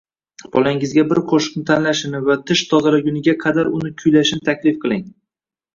Bolangizga bir qo‘shiqni tanlashini va tish tozalaguniga qadar uni kuylashini taklif qiling.